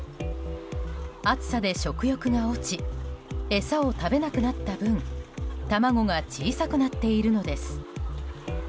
暑さで食欲が落ち餌を食べなくなった分卵が小さくなっているのです。